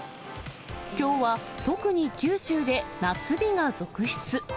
きょうは特に九州で夏日が続出。